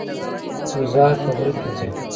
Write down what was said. بوزه په غره کې ځي.